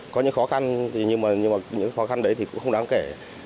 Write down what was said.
có những khó khăn nhưng những khó khăn đấy cũng không đáng kể